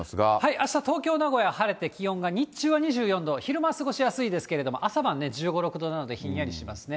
あした、東京、名古屋、晴れて、日中は気温が２４度、昼間は過ごしやすいですけれども、朝晩１５、６度なのでひんやりしますね。